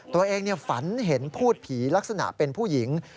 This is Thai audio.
ฝันเห็นพูดผีลักษณะเป็นผู้หญิง